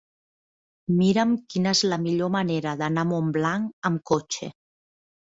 Mira'm quina és la millor manera d'anar a Montblanc amb cotxe.